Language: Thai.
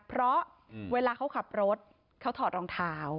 เพราะเวลาเขาขับรถเขาถอดรองเท้า